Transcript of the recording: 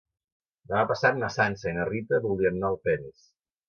Demà passat na Sança i na Rita voldrien anar a Alpens.